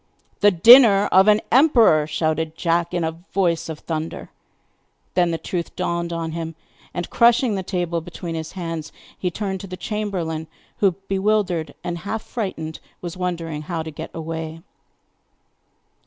'The dinner of an emperor!' shouted Jack in a voice of thunder. Then the truth dawned on him; and, crushing the table between his hands, he turned to the chamberlain, who, bewildered and half frightened, was wondering how to get away.